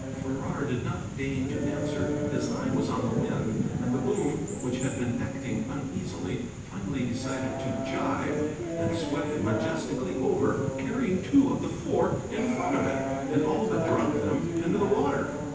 Farrar did not deign to answer: his eye was on the wind. And the boom, which had been acting uneasily, finally decided to gybe, and swept majestically over, carrying two of the Four in front of it, and all but dropped them into the water.